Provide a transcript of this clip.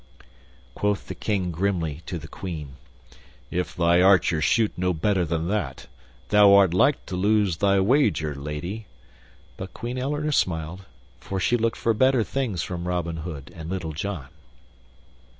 Quoth the King grimly, to the Queen, "If thy archers shoot no better than that, thou art like to lose thy wager, lady." But Queen Eleanor smiled, for she looked for better things from Robin Hood and Little John.